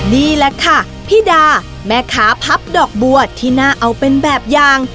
นี่แหละค่ะพี่ดาแม่ค้าพับดอกบัวที่น่าเอาเป็นแบบอย่าง